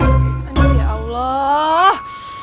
aduh ya allah